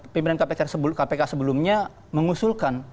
pimpinan kpk sebelumnya mengusulkan